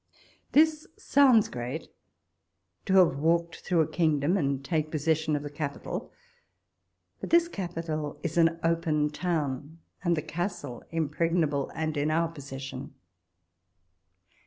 This sounds great, to have walked through a kingdom, and taken possession of the capital ! But this capital is an open town ; and the castle impreg nable, and in our possession.